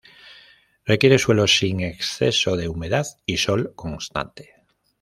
Requiere suelos sin exceso de humedad y sol constante.